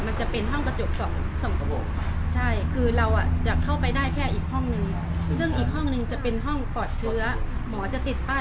คุณหมายความว่าเราจะเอาเชื้อไปให้เขาหรือว่าเขาจะเอาเชื้อให้เรา